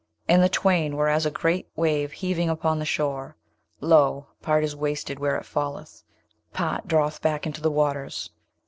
And the twain were as a great wave heaving upon the shore; lo, part is wasted where it falleth; part draweth back into the waters.